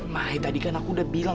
mah tadi kan aku udah bilang